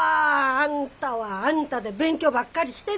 あんたはあんたで勉強ばっかりしてるやろ。